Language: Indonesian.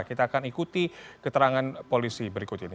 kita akan ikuti keterangan polisi berikut ini